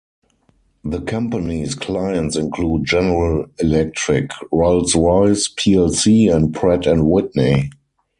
The company's clients include General Electric, Rolls-Royce plc and Pratt and Whitney.